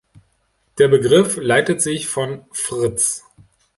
Der Begriff leitet sich von frz.